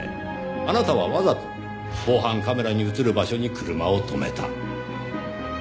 あなたはわざと防犯カメラに映る場所に車を止めた。